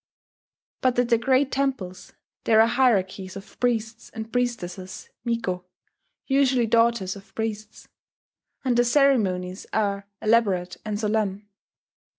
But at the great temples there are hierarchies of priests and priestesses (miko) usually daughters of priests; and the ceremonies are elaborate and solemn.